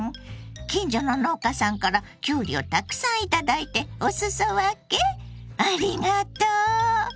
近所の農家さんからきゅうりをたくさん頂いておすそ分け⁉ありがとう。